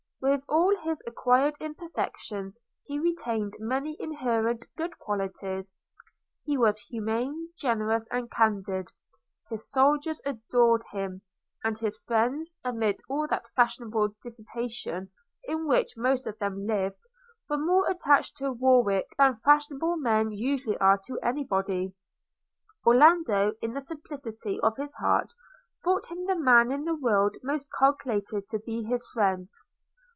With all his acquired imperfections, he retained many inherent good qualities – He was humane, generous, and candid: his soldiers adored him; and his friends, amid all that fashionable dissipation in which most of them lived, were more attached to Warwick than fashionable men usually are to any body. Orlando, in the simplicity of his heart, thought him the man in the world most calculated to be his friend.